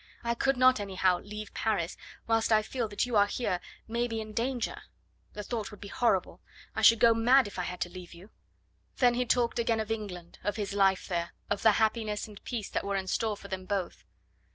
"I could not, anyhow, leave Paris whilst I feel that you are here, maybe in danger. The thought would be horrible. I should go mad if I had to leave you." Then he talked again of England, of his life there, of the happiness and peace that were in store for them both.